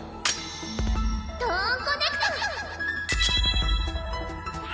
トーンコネクト！